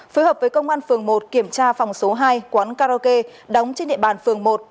phối hợp với công an phường một kiểm tra phòng số hai quán karaoke đóng trên địa bàn phường một